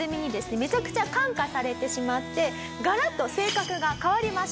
めちゃくちゃ感化されてしまってガラッと性格が変わりました。